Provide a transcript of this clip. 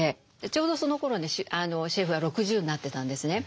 ちょうどそのころシェフは６０になってたんですね。